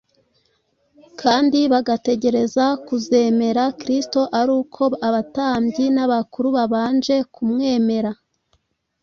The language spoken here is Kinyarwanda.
kandi bagategereza kuzemera Kristo ari uko abatambyi n’abakuru babanje kumwemera